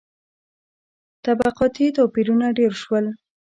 • طبقاتي توپیرونه ډېر شول.